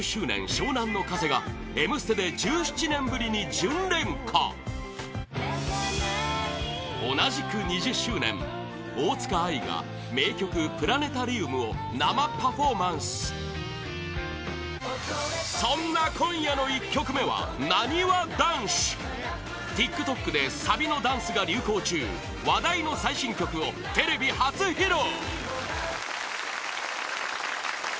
湘南乃風が「Ｍステ」で１７年ぶりに「純恋歌」同じく２０周年大塚愛が名曲「プラネタリウム」を生パフォーマンスそんな今夜の１曲目はなにわ男子ＴｉｋＴｏｋでサビのダンスが流行中話題の最新曲をテレビ初披露！